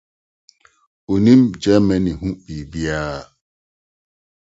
Onim Germany ho biribiara.